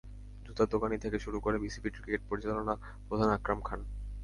জুতার দোকানি থেকে শুরু করে বিসিবির ক্রিকেট পরিচালনা প্রধান আকরাম খান।